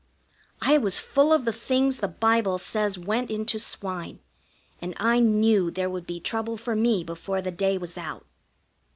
I was full of the things the Bible says went into swine, and I knew there would be trouble for me before the day was out.